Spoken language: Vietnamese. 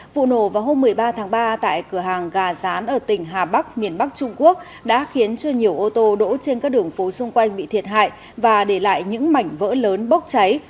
vụ nổ vào hôm một mươi ba tháng ba tại cửa hàng gà rán ở tỉnh hà bắc miền bắc trung quốc đã khiến cho nhiều ô tô đỗ trên các đường phố xung quanh bị thiệt hại và để lại những mảnh vỡ lớn bốc cháy